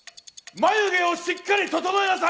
眉毛をしっかり整えなさい！